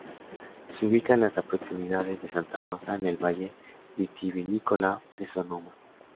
Se ubica en las proximidades de Santa Rosa, en el valle vitivinícola de Sonoma.